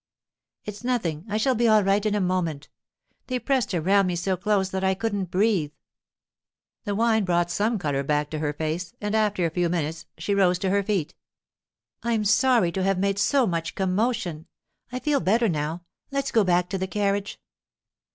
'It's nothing. I shall be all right in a moment. They pressed around me so close that I couldn't breathe.' The wine brought some colour back to her face, and after a few minutes she rose to her feet. 'I'm sorry to have made so much commotion. I feel better now; let's go back to the carriage.